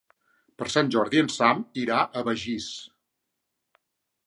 Per Sant Jordi en Sam irà a Begís.